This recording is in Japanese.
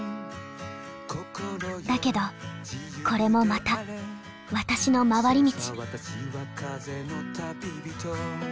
だけどこれもまた私のまわり道。